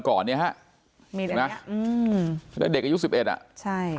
ก่อนนี้ฮะมีแดงนี้อืมแล้วเด็กอายุ๑๑อะใช่